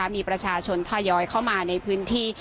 มีประชาชนทยอยเข้ามาในพื้นที่